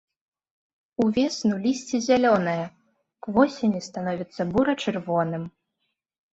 Увесну лісце зялёнае, к восені становіцца бура-чырвоным.